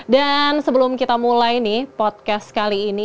dan sebelum kita mulai nih podcast kali ini